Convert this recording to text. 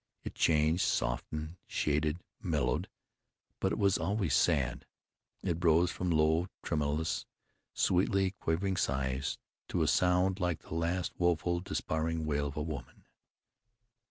It changed, softened, shaded, mellowed, but it was always sad. It rose from low, tremulous, sweetly quavering sighs, to a sound like the last woeful, despairing wail of a woman.